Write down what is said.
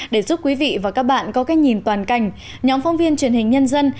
để giúp quý vị và các bạn có cách nhìn toàn cảnh nhóm phong viên truyền hình nhân dân